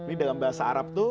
ini dalam bahasa arab itu